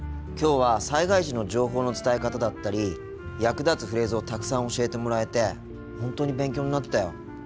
今日は災害時の情報の伝え方だったり役立つフレーズをたくさん教えてもらえて本当に勉強になったよ。